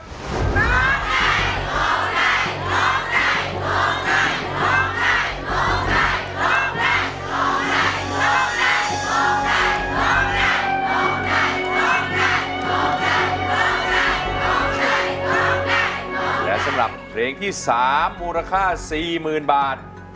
ร้องได้ร้องได้ร้องได้ร้องได้และสำหรับเพลงที่สามมูลค่าสี่หมื่นบาท